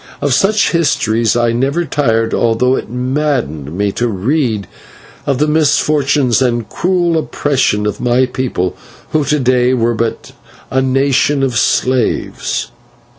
Of such histories I never tired, although it maddened me to read of the misfortunes and cruel oppression of my people, who to day were but a nation of slaves.